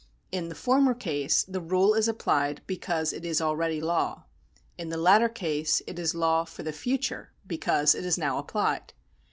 In the former case the rule is applied because it is already law ; in the latter case it is law for the future because it is now applied.